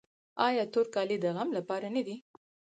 آیا تور کالي د غم لپاره نه دي؟